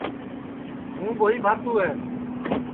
ہوں ٻوہی بھاتو ہے